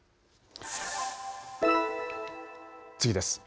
次です。